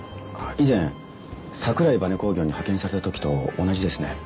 以前桜井バネ工業に派遣された時と同じですね。